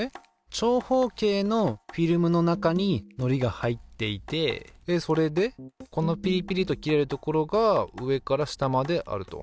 長方形のフィルムの中にのりが入っていてそれでこのピリピリと切れるところが上から下まであると。